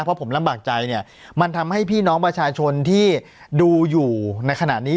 เพราะผมลำบากใจเนี่ยมันทำให้พี่น้องประชาชนที่ดูอยู่ในขณะนี้